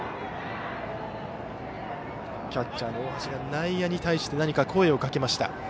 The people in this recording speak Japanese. キャッチャーの大橋が内野に対して何か声をかけました。